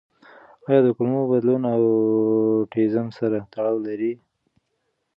آیا د کولمو بدلون د اوټیزم سره تړاو لري؟